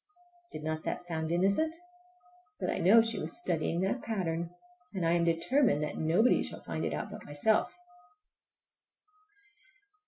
Did not that sound innocent? But I know she was studying that pattern, and I am determined that nobody shall find it out but myself!